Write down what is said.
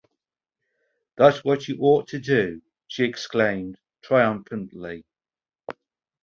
"That's what you ought to do," she exclaimed triumphantly.